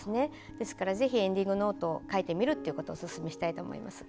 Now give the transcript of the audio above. ですから、エンディングノートを書いてみるっていうことをおすすめしたいと思います。